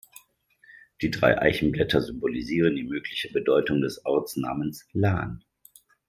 Die drei Eichenblätter symbolisieren die mögliche Bedeutung des Ortsnamens "Lahn".